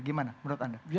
gimana menurut anda